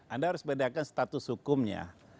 anda harus bedakan status hukumnya